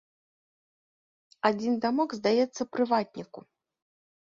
Адзін дамок здаецца прыватніку.